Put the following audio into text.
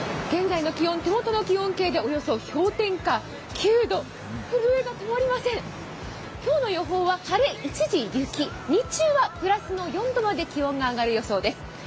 現在の気温、手元の気温計で氷点下９度今日の予報は晴れ一時雪、日中はプラス４度まで気温が上がる予報です。